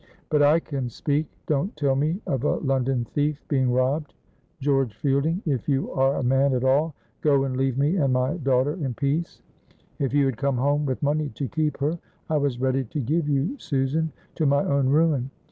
"But I can speak! Don't tell me of a London thief being robbed!!! George Fielding, if you are a man at all, go and leave me and my daughter in peace. If you had come home with money to keep her, I was ready to give you Susan to my own ruin.